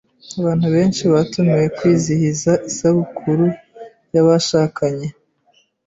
Abantu benshi batumiwe kwizihiza isabukuru yabashakanye.